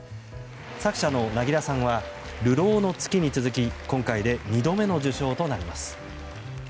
作者の凪良さんは「流浪の月」に続き今回で２度目の受賞となります。